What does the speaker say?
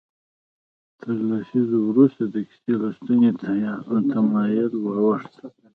تر لسیزو وروسته د کیسه لوستنې تمایل واوښت.